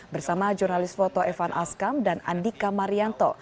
bersama jurnalis foto evan askam dan andika marianto